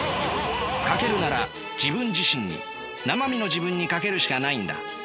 賭けるなら自分自身になま身の自分に賭けるしかないんだ。